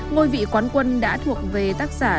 ngôi vị quán quân đã thuộc về tác giả